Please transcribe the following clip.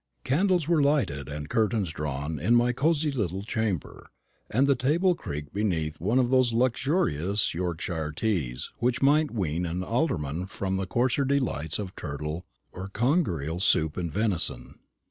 Candles were lighted and curtains drawn in my cosy little chamber, and the table creaked beneath one of those luxurious Yorkshire teas which might wean an alderman from the coarser delights of turtle or conger eel soup and venison.